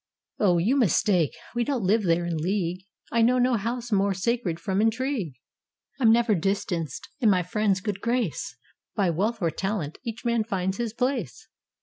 "Oh, you mistake: we don't live there in league: I know no house more sacred from intrigue : I'm never distanced in my friend's good grace By wealth or talent: each man finds his place."